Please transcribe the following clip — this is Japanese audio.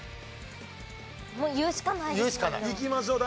もう言うしかないですよね。